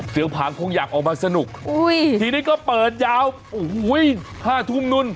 ผางคงอยากออกมาสนุกทีนี้ก็เปิดยาวโอ้โหห้าทุ่มนู่น